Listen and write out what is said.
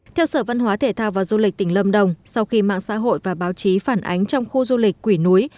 theo sở văn hóa thể thao và du lịch tỉnh lâm đồng sau khi mạng xã hội và báo chí phản ánh trong khu du lịch quỷ núi